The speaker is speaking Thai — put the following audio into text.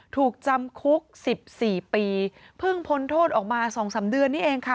ถูกจำคุก๑๔ปีเพิ่งพ้นโทษออกมา๒๓เดือนนี้เองค่ะ